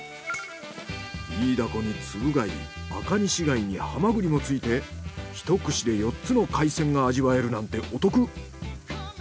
イイダコにつぶ貝アカニシ貝にはまぐりもついて１串で４つの海鮮が味わえるなんてお得。